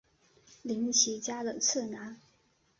绫崎家的次男。